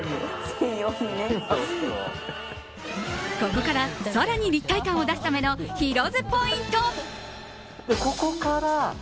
ここから更に立体感を出すためのヒロ’ｓポイント。